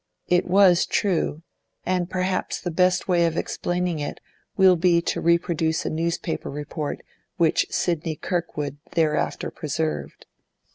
It was true, and perhaps the best way of explaining it will be to reproduce a newspaper report which Sidney Kirkwood thereafter preserved.